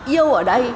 yêu ở đây